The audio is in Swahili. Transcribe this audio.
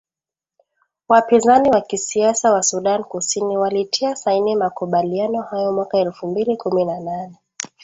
Wapinzani wa kisiasa wa Sudan Kusini walitia saini makubaliano hayo mwaka elfu mbili kumi na nane.